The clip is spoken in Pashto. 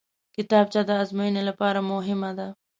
کتابچه د ازموینې لپاره مهمه ده